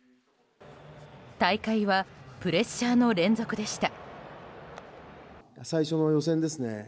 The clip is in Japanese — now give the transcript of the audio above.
大会はプレッシャーの連続でした。